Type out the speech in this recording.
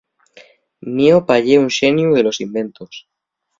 Mio pá ye un xeniu de los inventos.